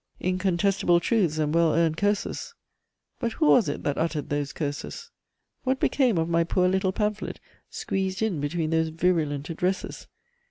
Incontestable truths and well earned curses; but who was it that uttered those curses? What became of my poor little pamphlet, squeezed in between those virulent addresses?